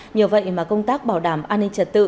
nhờ vậy mà công tác bảo đảm an ninh trật tự